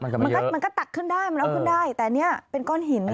มันก็มันก็ตักขึ้นได้มันเอาขึ้นได้แต่อันนี้เป็นก้อนหิน